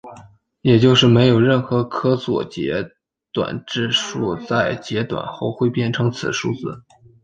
也就是没有任何可左截短质数在截短后会变成此数字。